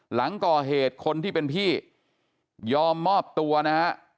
หลังก่อเหตุคนที่เป็นพี่ยอมมอบตัวนะฮะ